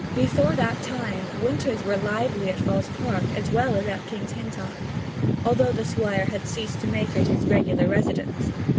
Before that time the winters were lively at Falls Park, as well as at King's Hintock, although the Squire had ceased to make it his regular residence.